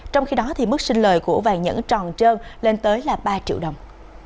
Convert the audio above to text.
trong khi đó mức sinh lời của vàng nhẫn tròn trơn lên tới là ba triệu đồng